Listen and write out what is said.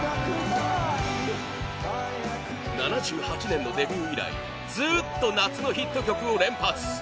７８年のデビュー以来ずーっと夏のヒット曲を連発！